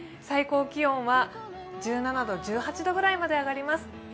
最高気温は１７度、１８度ぐらいまで上がります。